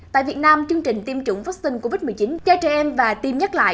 tại việt nam chương trình tiêm chủng vaccine covid một mươi chín cho trẻ em và tiêm nhắc lại